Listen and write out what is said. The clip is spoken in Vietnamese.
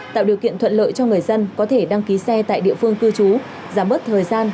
tạo điều kiện thuận lợi cho người dân có thể đăng ký xe tại địa phương cư trú giảm bớt thời gian